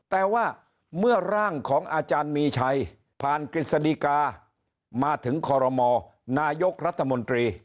แต่ว่าเมื่อร่างของอาจารย์มีชัยผ่านกฤษฎิกามาถึงคอรมอนายกรัฐมนตรี